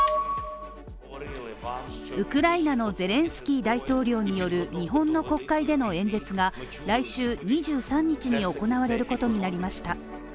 ウクライナのゼレンスキー大統領による日本の国会での演説が、来週２３日に行われることになりました。